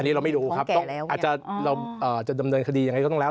อันนี้เราไม่รู้ครับอาจจะดำเนินคดียังไงก็ต้องแล้ว